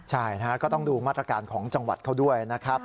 ใช่นะฮะก็ต้องดูมาตรการของจังหวัดเขาด้วยนะครับ